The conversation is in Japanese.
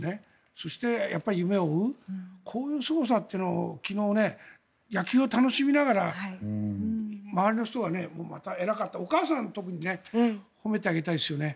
そして夢を追うこういうすごさというのを昨日、野球を楽しみながら周りの人が偉かったお母さん特に褒めてあげたいですよね。